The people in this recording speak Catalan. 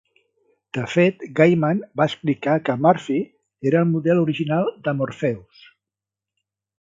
De fet, Gaiman va explicar que Murphy era el model original per Morpheus.